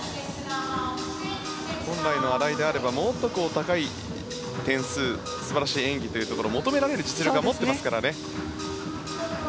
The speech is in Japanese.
本来の荒井であればもっと高い点数素晴らしい演技を求められる実力は持ってますからね。